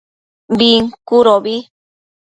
Bincudobi